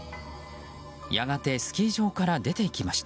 やがてスキー場から出て行きました。